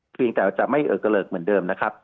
เพียงแต่จะไม่เอิ้งเกลิกเหมือนเดิมนะครับ